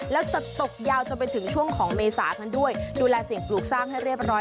แล้วจะตกยาวจนไปถึงช่วงของเมษากันด้วยดูแลสิ่งปลูกสร้างให้เรียบร้อย